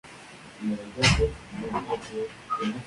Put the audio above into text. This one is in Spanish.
Ya desde temprano se comienza a hablar de España en el exterior.